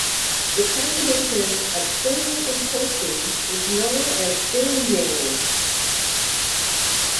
The combination of singing and toasting is known as singjaying.